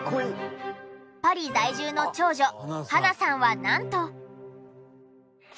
パリ在住の長女八菜さんはなんと。